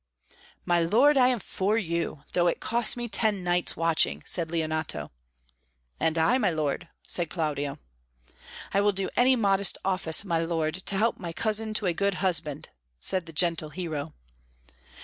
"My lord, I am for you, though it cost me ten nights' watching," said Leonato. "And I, my lord," said Claudio. "I will do any modest office, my lord, to help my cousin to a good husband," said the gentle Hero.